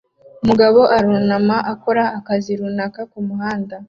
Umugabo arunama akora akazi runaka kumuhanda